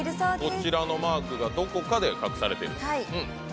こちらのマークがどこかで隠されていると。